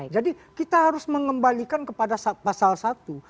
jadi kita harus mengembalikan kepada pasal satu